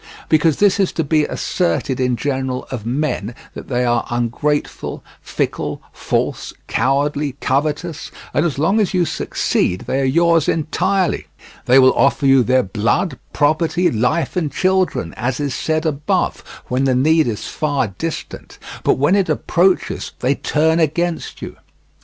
Because this is to be asserted in general of men, that they are ungrateful, fickle, false, cowardly, covetous, and as long as you succeed they are yours entirely; they will offer you their blood, property, life, and children, as is said above, when the need is far distant; but when it approaches they turn against you.